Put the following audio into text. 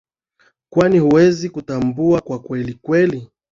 kwani hawawezi kutambua kwa kweli kweli